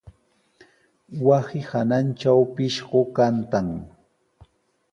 Wasi hanantraw pishqu kantan.